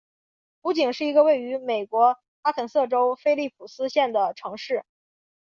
湖景是一个位于美国阿肯色州菲利普斯县的城市。